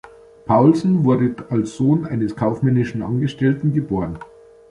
Paulssen wurde als Sohn eines kaufmännischen Angestellten geboren.